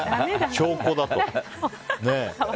証拠だと。